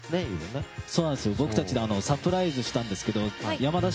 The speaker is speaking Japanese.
僕たちサプライズしたんですけど山田